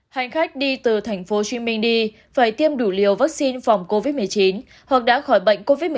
hành khách đi từ tp hcm đi phải tiêm đủ liều vaccine phòng covid một mươi chín hoặc đã khỏi bệnh covid một mươi chín